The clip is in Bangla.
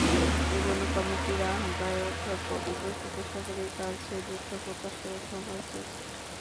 এ জন্য কমিটির আহ্বায়ক উপস্থিত সাংবাদিকদের কাছে দুঃখ প্রকাশ করে ক্ষমাও চেয়েছেন।